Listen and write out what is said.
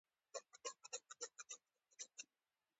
ميرويس خان وويل: راځه!